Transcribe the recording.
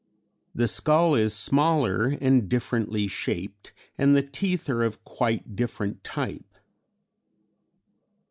The skull is smaller and differently shaped and the teeth are of quite different type.